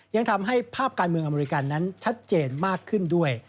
ยังทำให้ภาพการเมืองอเมริกันนั้นชัดเจนมากขึ้นด้วย